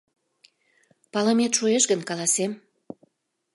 Палымет шуэш гын, каласем?